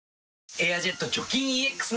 「エアジェット除菌ＥＸ」